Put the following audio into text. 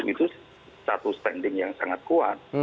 itu satu standing yang sangat kuat